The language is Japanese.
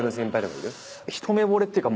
「一目ぼれっていうか」